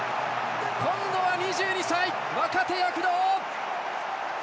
今度は２２歳、若手躍動！